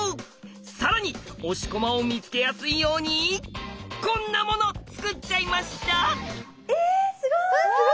推し駒を見つけやすいようにこんなもの作っちゃいました！